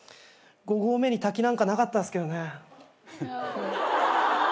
５合目に滝なんかなかったっすけどね。